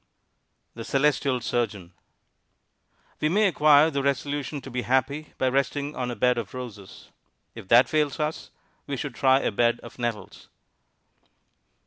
_ THE CELESTIAL SURGEON We may acquire the resolution to be happy by resting on a bed of roses. If that fails us, we should try a bed of nettles.